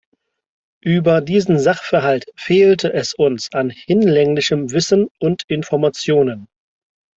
Über diesen Sachverhalt fehlte es uns an hinlänglichem Wissen und Informationen.